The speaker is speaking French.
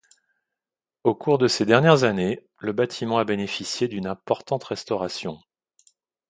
Au cours de ces dernières années, le bâtiment a bénéficié d'une importante restauration.